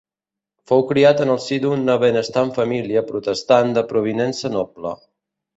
Fou criat en el si d'una benestant família protestant de provinença noble.